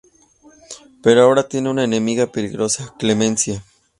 Pero ahora tiene una enemiga peligrosa: Clemencia.